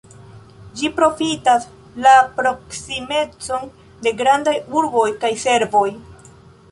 Ĝi profitas la proksimecon de grandaj urboj por servoj.